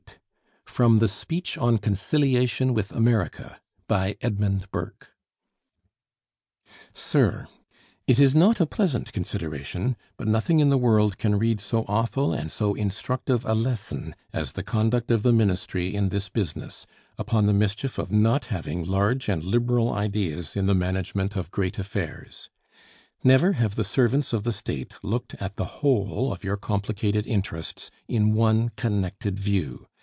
L. Godkin] FROM THE SPEECH ON 'CONCILIATION WITH AMERICA' Sir, It is not a pleasant consideration; but nothing in the world can read so awful and so instructive a lesson as the conduct of the Ministry in this business, upon the mischief of not having large and liberal ideas in the management of great affairs. Never have the servants of the State looked at the whole of your complicated interests in one connected view.